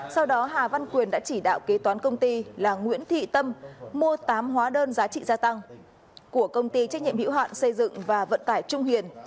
sau đó hà văn quyền đã chỉ đạo kế toán công ty là nguyễn thị tâm mua tám hóa đơn giá trị gia tăng của công ty trách nhiệm hiệu hạn xây dựng và vận tải trung hiền